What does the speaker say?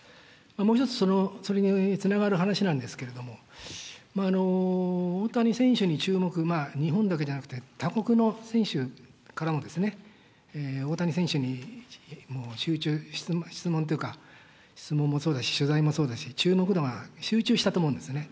もう１つ、それにつながる話なんですけれども、大谷選手に注目、日本だけじゃなくて、他国の選手からもですね、大谷選手に集中質問というか、質問もそうだし、取材もそうだし、注目度が集中したと思うんですね。